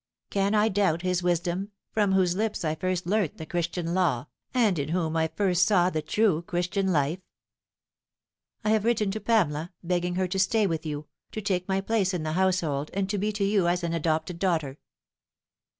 Can I doubt his wisdom, from whose lips I first learnt the Christian law, and in whom I first saw the true Christian life ?" I have written to Pamela, begging her to stay with you, to take my place in the household, and to be to you as an adopted daughter.